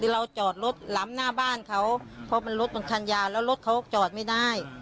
เราจอดรถล้ำหน้าบ้านเขาเพราะมันรถมันคันยาวแล้วรถเขาจอดไม่ได้